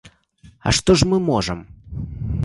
А што ж мы можам?